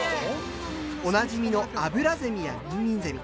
おなじみのアブラゼミやミンミンゼミ